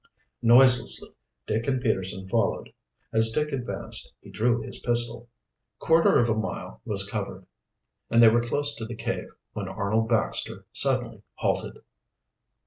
Noiselessly Dick and Peterson followed. As Dick advanced he drew his pistol. Quarter of a mile was covered and they were close to the cave, when Arnold Baxter suddenly halted.